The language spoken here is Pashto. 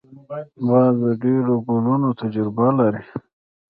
باز د ډېرو کلونو تجربه لري